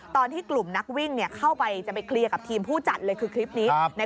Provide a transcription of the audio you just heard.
ตอนที่กลุ่มนักวิ่งเข้าไปจะไปเคลียร์กับทีมผู้จัดเลยคือคลิปนี้